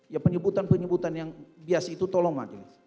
ya penyebutan penyebutan yang biasa itu tolong majelis